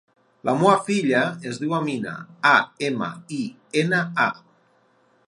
La meva filla es diu Amina: a, ema, i, ena, a.